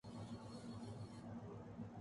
پدماوتی کے بعد دپیکا سپننا دی دی بننے کو تیار